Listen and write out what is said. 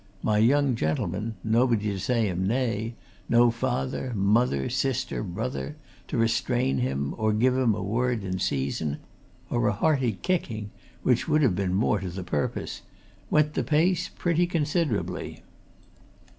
My young gentleman, nobody to say him nay, no father, mother, sister, brother, to restrain him or give him a word in season or a hearty kicking, which would have been more to the purpose! went the pace, pretty considerably.